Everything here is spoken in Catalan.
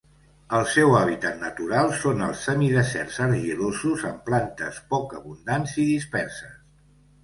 El seu hàbitat natural són els semideserts argilosos amb plantes poc abundants i disperses.